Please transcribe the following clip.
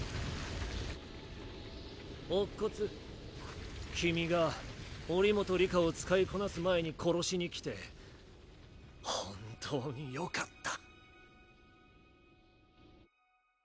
乙骨君が祈本里香を使いこなす前に殺しに来て本当によかった。